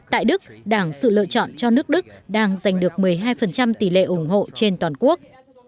tại đức đảng sự lựa chọn cho nước đức đang giành được một mươi hai tỷ lệ ủng hộ trên toàn quốc